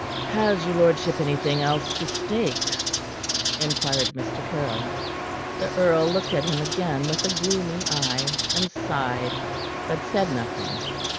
"Has your lordship anything else to stake?" inquired Mr. Caryll. The earl looked at him again with a gloomy eye, and sighed, but said nothing.